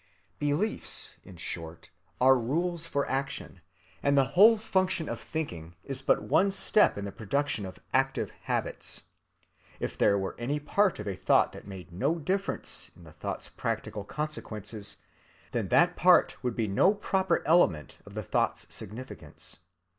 Beliefs, in short, are rules for action; and the whole function of thinking is but one step in the production of active habits. If there were any part of a thought that made no difference in the thought's practical consequences, then that part would be no proper element of the thought's significance.